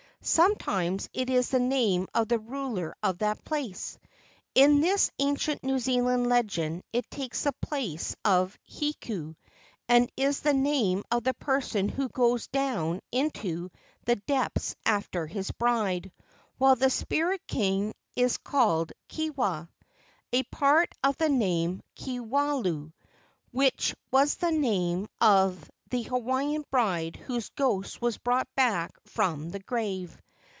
Sometimes it is the name of the ruler of that place. In this ancient New Zealand legend it takes the place of Hiku, and is the name of the person who goes down into the depths after his bride, while the spirit king is called Kewa, a part of the name Kewalu, which was the name of the Hawaiian bride whose ghost was brought back from the grave.